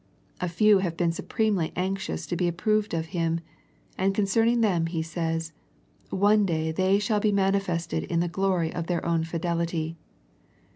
A few had been supremely anxious to be ap proved of Him, and concerning them He says, one day they shall be manifested in the glory of their own fidelity.